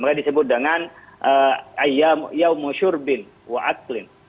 makanya disebut dengan ayam yaumushur bin wa aqlin